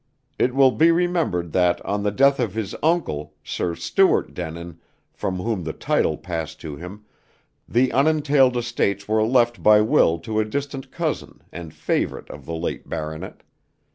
It will be remembered that on the death of his uncle, Sir Stuart Denin, from whom the title passed to him, the unentailed estates were left by will to a distant cousin and favorite of the late baronet.